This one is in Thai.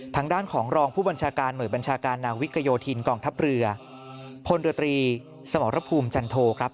ทางด้านของรองผู้บัญชาการหน่วยบัญชาการนาวิกโยธินกองทัพเรือพลเรือตรีสมรภูมิจันโทครับ